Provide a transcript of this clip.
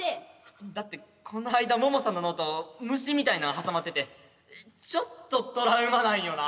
だってこないだモモさんのノート虫みたいなん挟まっててちょっとトラウマなんよな。